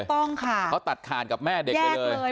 ถูกต้องค่ะเขาตัดขาดกับแม่เด็กไปเลย